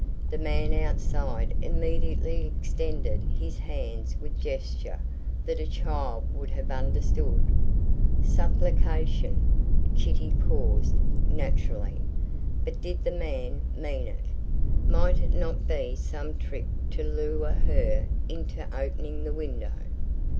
The man outside immediately extended his hands with a gesture that a child would have understood. Supplication. Kitty paused, naturally. But did the man mean it? Might it not be some trick to lure her into opening the window?